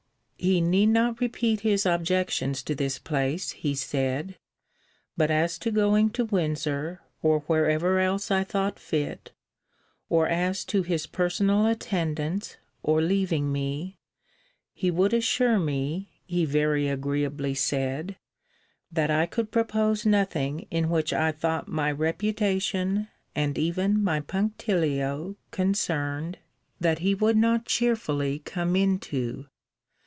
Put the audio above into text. He need not repeat his objections to this place, he said: but as to going to Windsor, or wherever else I thought fit, or as to his personal attendance, or leaving me, he would assure me (he very agreeably said) that I could propose nothing in which I thought my reputation, and even my punctilio, concerned, that he would not cheerfully come into.